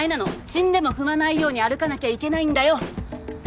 死んでも踏まないように歩かなきゃいけないんだよ。